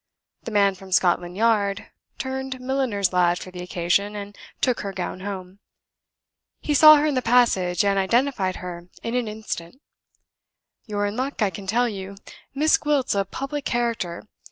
The man from Scotland Yard turned milliner's lad for the occasion, and took her gown home. He saw her in the passage, and identified her in an instant. You're in luck, I can tell you. Miss Gwilt's a public character.